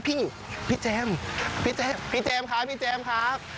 พี่พี่เจมส์พี่เจมส์ครับพี่เจมส์ครับ